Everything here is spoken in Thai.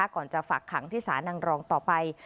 ก่อนจะฝากขังที่ศาลังรองต่อไป